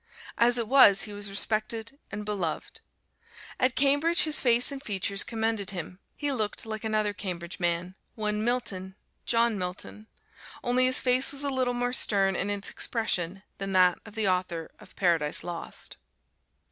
As it was he was respected and beloved. At Cambridge his face and features commended him: he looked like another Cambridge man, one Milton John Milton only his face was a little more stern in its expression than that of the author of "Paradise Lost."